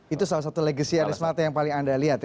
itu salah satu legasi anies mata yang paling anda lihat ya